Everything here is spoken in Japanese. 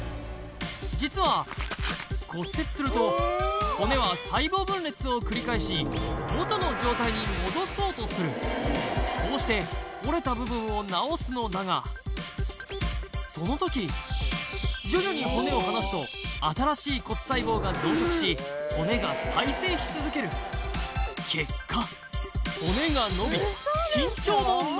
実は骨折すると骨は細胞分裂を繰り返し元の状態に戻そうとするこうして折れた部分を治すのだがその時徐々に骨を離すと新しい骨細胞が増殖し骨が再生し続ける結果え！